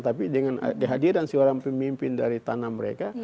tapi dengan kehadiran seorang pemimpin dari tanah mereka